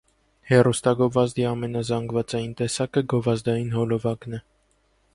Հեռուստագովազդի ամենազանգվածային տեսակը գովազդային հոլովակն է։